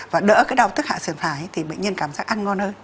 và đỡ cái đau tức hạ sửa phải thì bệnh nhân cảm giác ăn ngon hơn